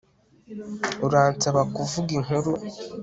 Uransaba kuvuga inkuru